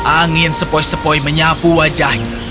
angin sepoi sepoi menyapu wajahnya